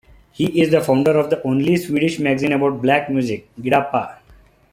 He is the founder of the "Only Swedish Magazine about Black Music", "Gidappa".